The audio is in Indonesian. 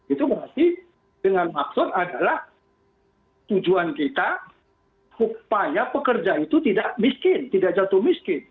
itu berarti dengan maksud adalah tujuan kita upaya pekerja itu tidak miskin tidak jatuh miskin